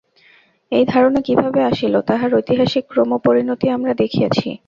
এই ধারণা কিভাবে আসিল, তাহার ঐতিহাসিক ক্রম-পরিণতি আমরা দেখিয়াছি।